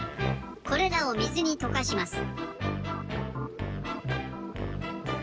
これらをみずにとかします。